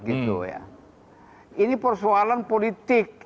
ini persoalan politik